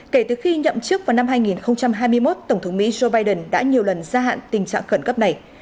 kể từ khi nhậm chức vào năm hai nghìn hai mươi một tổng thống mỹ joe biden đã nhiều lần gia hạn tình trạng khẩn cấp này